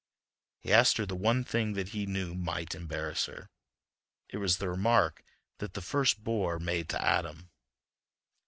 He asked her the one thing that he knew might embarrass her. It was the remark that the first bore made to Adam.